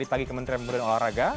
ditagi ke menteri pemerintah olahraga